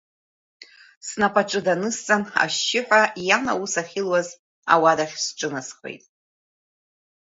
Снапаҿы данысҵан, ашьшьыҳәа иан аус ахьылуаз ауадахь сҿынасхеит.